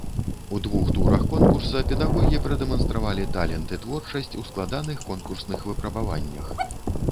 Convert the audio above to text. У двух турах конкурса педагогі прадэманстравалі талент і творчасць у складаных конкурсных выпрабаваннях.